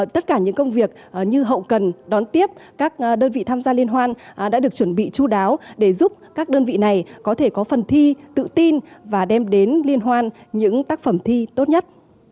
tất cả những công việc như hậu cần đón tiếp các đơn vị tham gia liên hoan đã được chuẩn bị chú đáo để giúp các đơn vị này có thể có phần thi tự tin và đem đến liên hoan những tác phẩm thi tốt nhất